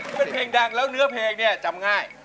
เป็นเพลงดังแล้วเนื้อเพลงเนี่ยจำง่าย